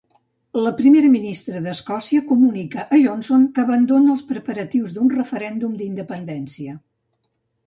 La primera ministra d'Escòcia comunica a Johnson que abandona els preparatius d'un referèndum d'independència.